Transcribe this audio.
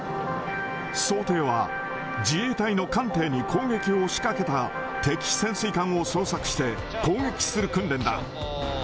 想定は、自衛隊の艦艇に攻撃を仕掛けた、敵潜水艦を想定して攻撃する訓練だ。